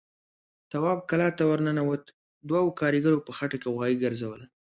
تواب کلا ته ور ننوت، دوو کاريګرو په خټه کې غوايي ګرځول.